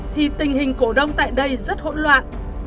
thì tình hình cổ đông tại đây rất hỗn loạn